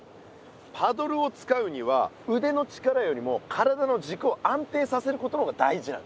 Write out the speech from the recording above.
パドルを使うにはうでの力よりも体のじくを安定させることの方が大事なの。